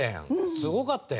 すごかったやん。